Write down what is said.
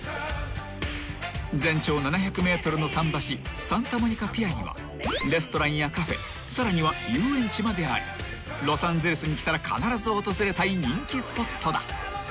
［全長７００ｍの桟橋サンタモニカピアにはレストランやカフェさらには遊園地までありロサンゼルスに来たら必ず訪れたい人気スポットだ］